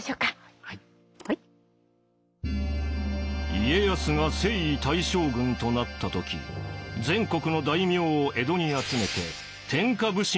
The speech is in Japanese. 家康が征夷大将軍となった時全国の大名を江戸に集めて天下普請を行います。